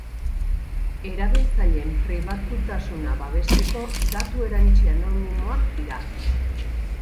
Erabiltzaileen pribatutasuna babesteko, datu erantsi anonimoak dira.